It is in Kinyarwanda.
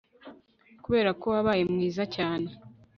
kuberako wabaye mwiza cyane